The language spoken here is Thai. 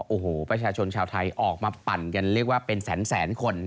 โอ้โหประชาชนชาวไทยออกมาปั่นกันเรียกว่าเป็นแสนคน